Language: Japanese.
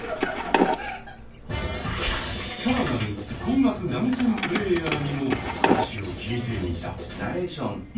更なる高額投げ銭プレーヤーにも話を聞いてみた。